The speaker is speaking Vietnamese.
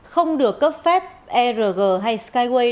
không được cấp phép erg hay skyway